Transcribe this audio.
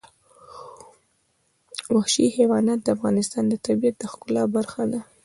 وحشي حیوانات د افغانستان د طبیعت د ښکلا برخه ده.